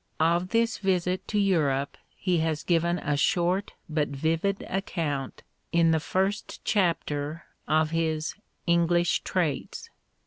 Of this visit to Europe he has given a short but vivid account in the first chapter of his "English Traits."